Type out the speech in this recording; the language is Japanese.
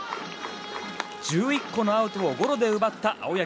１１個のアウトをゴロで奪った青柳。